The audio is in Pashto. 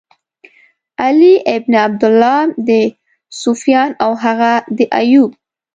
علی بن عبدالله، د سُفیان او هغه د ایوب.